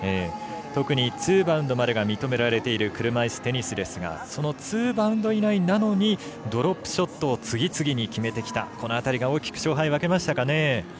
特にツーバウンドまでが認められている車いすテニスですがそのツーバウンド以内なのにドロップショットを次々に決めてきたこの辺りが大きく勝敗分けましたかね。